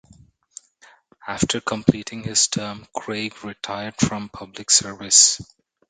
After completing his term, Craig retired from public service.